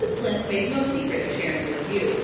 Plinth made no secret of sharing this view.